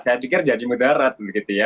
saya pikir jadi mudarat begitu ya